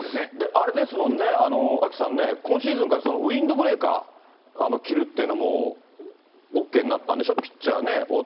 あれですよね、アキさんね、今シーズンからウインドブレーカーを着るっていうのもＯＫになったんでしょう、ピッチャーね、大谷。